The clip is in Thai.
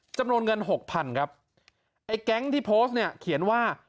จำนวนเงินหกพันครับไอ้แก๊งที่โพสต์เนี่ยเขียนว่า